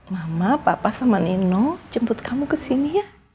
mama papa sama nino jemput kamu kesini ya